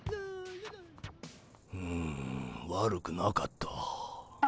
うん悪くなかった。